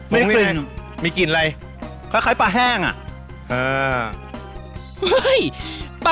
มีกลิ่นมีกลิ่นอะไรคล้ายปลาแห้งอ่ะ